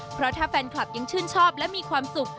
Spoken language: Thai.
เพราะถ้าแฟนคลับยังชื่นชอบและมีความสุข